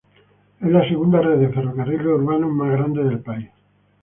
Es la segunda red de ferrocarriles urbanos más grande del país.